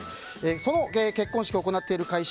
その結婚式を行っている会社